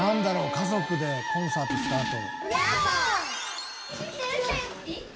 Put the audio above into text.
家族でコンサートしたあと。